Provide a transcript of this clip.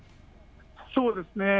そうですね。